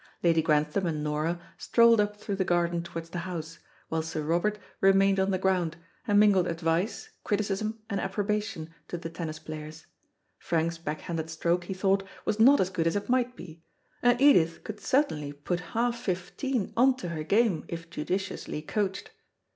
Lady Grantham and Nora strolled up through the garden towards the house, while Sir Robert remained on the ground, and mingled advice, criticism, and approbation to the tennis players; Frank's back handed stroke, he thought, was not as good as it might be, and Edith could, certainly put half fifteen on to her game if judiciously coached.